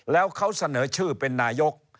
แล้วเขาเสนอชื่อเป็นนายก